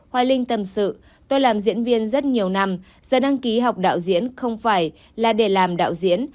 hoài linh tâm sự tôi làm diễn viên rất nhiều năm giờ đăng ký học đạo diễn không phải là để làm đạo diễn